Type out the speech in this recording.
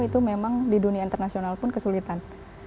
itu memang di dunia internasional pun kesulitan